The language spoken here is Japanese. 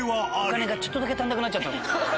お金がちょっとだけ足んなくなっちゃった。